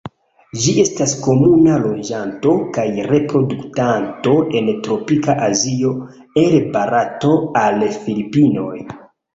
Ĝi estas komuna loĝanto kaj reproduktanto en tropika Azio el Barato al Filipinoj.